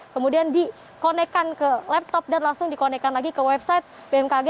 kemudian dikonekkan ke laptop dan langsung dikonekkan lagi ke website bmkg